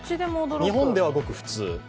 日本ではごく普通。